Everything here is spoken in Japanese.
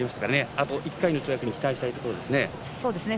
あと１回の跳躍に期待したいところですね。